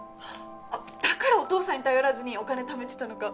だからお父さんに頼らずにお金ためてたのか。